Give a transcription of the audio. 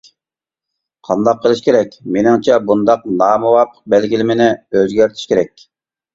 قانداق قىلىش كېرەك؟ مېنىڭچە، بۇنداق نامۇۋاپىق بەلگىلىمىنى ئۆزگەرتىش كېرەك.